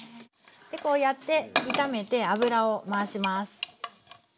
こうやって炒めて油を回します。